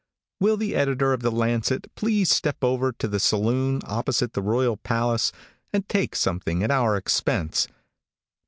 Will the editor of the Lancet please step over to the saloon, opposite the royal palace, and take something at our expense?